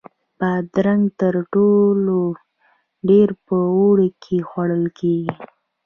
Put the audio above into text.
بادرنګ تر ټولو ډېر په اوړي کې خوړل کېږي.